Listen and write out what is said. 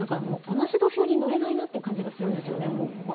同じ土俵に乗れないという感じがしますね。